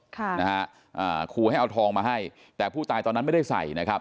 ค่ะนะฮะอ่าครูให้เอาทองมาให้แต่ผู้ตายตอนนั้นไม่ได้ใส่นะครับ